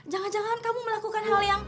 jangan jangan kamu melakukan hal yang